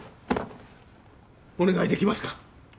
お願いできますか？